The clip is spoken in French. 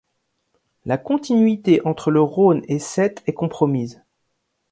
La continuité entre le Rhône et Sète est compromise.